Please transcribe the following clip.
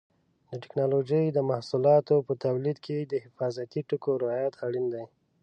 د ټېکنالوجۍ د محصولاتو په تولید کې د حفاظتي ټکو رعایت اړین دی.